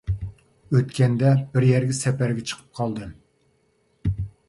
ئۆتكەندە بىر يەرگە سەپەرگە چىقىپ قالدىم.